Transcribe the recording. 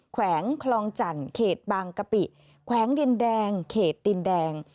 แขวงคลองจันทร์เขตบางกะปิแขวงดินแดงเขตดินแดง